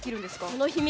その秘密